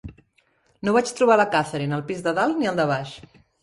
No vaig trobar la Catherine al pis de dalt ni al de baix.